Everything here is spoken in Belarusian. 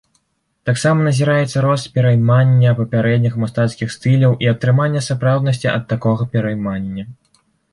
Таксама назіраецца рост пераймання папярэдніх мастацкіх стыляў і атрымання сапраўднасці ад такога пераймання.